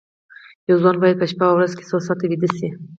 یو ځوان باید په شپه او ورځ کې څو ساعته ویده شي